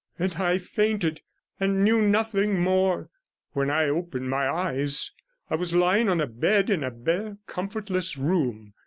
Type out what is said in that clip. and I fainted, and knew nothing more. When I opened my eyes I was lying on a bed in a bare, comfortless room.